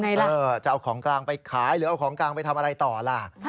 จะเอาของกลางไปขายหรือเอาของกลางไปทำอะไรต่อล่ะ